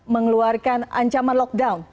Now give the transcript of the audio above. mengeluarkan ancaman lockdown